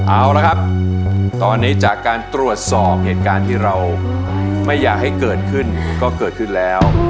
เอาละครับตอนนี้จากการตรวจสอบเหตุการณ์ที่เราไม่อยากให้เกิดขึ้นก็เกิดขึ้นแล้ว